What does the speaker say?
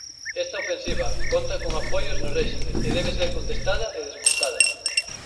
Esta ofensiva conta con apoios no réxime e debe ser contestada e desmontada.